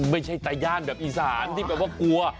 ไม่ใช่ตาย่านแบบอีสานที่แบบว่ากลัว